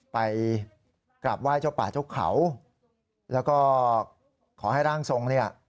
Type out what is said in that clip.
ไปกราบไหว้เจ้าป่าเจ้าเขาแล้วก็ขอให้ร่างทรงเนี่ย